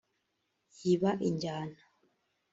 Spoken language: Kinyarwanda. yiba injyana